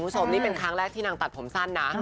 มอบเรื่องเป็นครั้งแรกที่นางตัดผมสั้นน่ะ